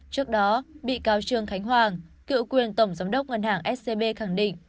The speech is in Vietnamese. trước đó bị cáo trương khánh hoàng cựu quyền tổng giám đốc ngân hàng scb khẳng định